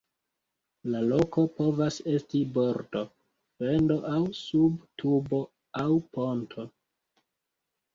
La loko povas esti bordo, fendo aŭ sub tubo aŭ ponto.